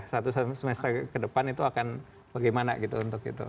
satu semester ke depan itu akan bagaimana gitu untuk itu